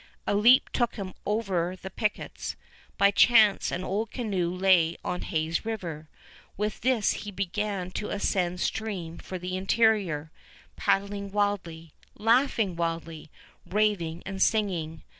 A leap took him over the pickets. By chance an old canoe lay on Hayes River. With this he began to ascend stream for the interior, paddling wildly, laughing wildly, raving and singing.